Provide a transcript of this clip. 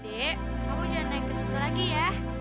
dek aku jangan naik ke situ lagi ya